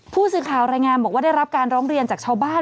ผู้สื่อข่าวรายงานบอกว่าได้รับการร้องเรียนจากชาวบ้าน